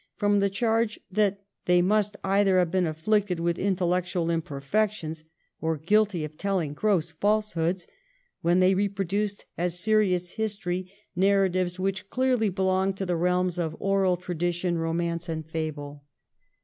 from the charge that they ' must either have been afflicted with intellectual imperfections or guilty of telling gross falsehoods,' when they reproduced as serious history narratives which clearly belonged to the realms of oral tradition, romance, and fable.